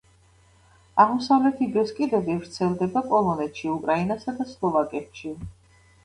აღმოსავლეთი ბესკიდები ვრცელდება პოლონეთში, უკრაინასა და სლოვაკეთში.